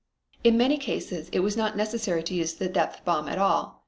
In many cases it was not necessary to use the depth bomb at all.